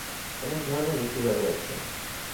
অনেক ধরনের রিসিভার রয়েছে।